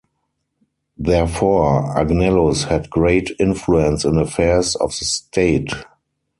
Therefore, Agnellus had great influence in affairs of the state.